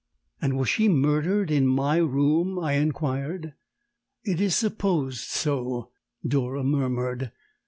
"And was she murdered in my room?" I inquired. "It is supposed so," Dora murmured.